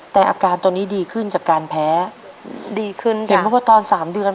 แต่อาการตอนนี้ดีขึ้นจากการแพ้ดีขึ้นเห็นว่าตอนสามเดือน